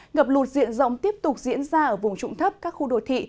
ngập lụt diện rộng tiếp tục diễn ra ở vùng trụng thấp các khu đồ thị